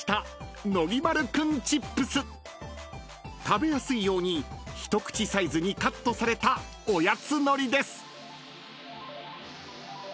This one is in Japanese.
［食べやすいように一口サイズにカットされたおやつのりです］